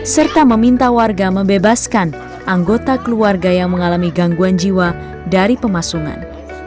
serta meminta warga membebaskan anggota keluarga yang mengalami gangguan jiwa dari pemasungan